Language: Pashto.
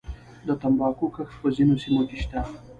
د تنباکو کښت په ځینو سیمو کې شته